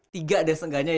tiga deh seenggaknya yang